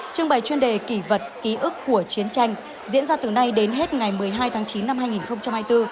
trưng bày chuyên đề kỷ vật ký ức của chiến tranh diễn ra từ nay đến hết ngày một mươi hai tháng chín năm hai nghìn hai mươi bốn